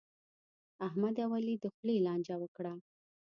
احمد او علي د خولې لانجه وکړه.